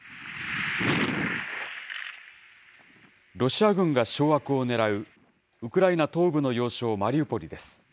ロシア軍が掌握をねらう、ウクライナ東部の要衝マリウポリです。